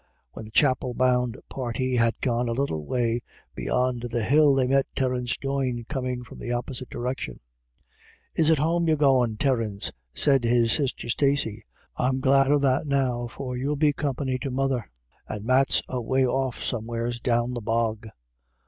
When the chapel bound party had gone a little way beyond the hill, they met Terence Doyne coming from the opposite direction. " Is it home you're goin', Terence ?" said his sister Stacey. " I'm glad of that now, for you'll be company to mother, and Matt's away off somewheres down the bog."